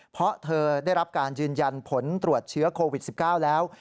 เพราะเธอได้รับการยืนยันผลตรวจเชื้อโควิด๑๙แล้ว